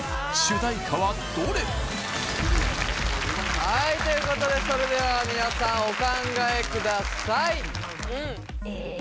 はいということでそれでは皆さんお考えください